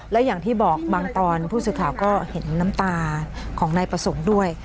และอย่างที่บอกบางตอนผู้สื่อข่าวก็เห็นน้ำตาของนายประสงค์ด้วย